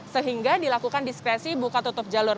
sehingga dilakukan diskresi buka tutup jalur